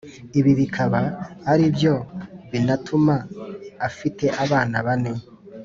ibi bikaba aribyo binatuma afite abana bane